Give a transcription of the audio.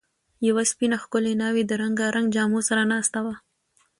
یوه سپینه، ښکلې ناوې د رنګارنګ جامو سره ناسته وه.